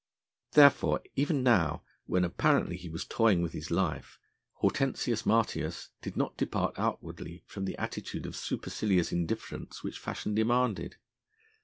Therefore even now, when apparently he was toying with his life, Hortensius Martius did not depart outwardly from the attitude of supercilious indifference which fashion demanded.